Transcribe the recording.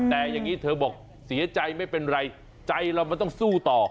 แต่อย่างนี้เธอบอกเสียใจไม่เป็นไรใจเรามันต้องสู้ต่อ